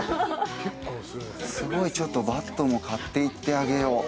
すごい。バットも買っていってあげよう。